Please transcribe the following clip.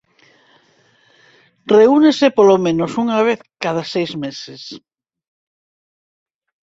Reúnese polo menos unha vez cada seis meses.